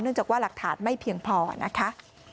จากว่าหลักฐานไม่เพียงพอนะคะ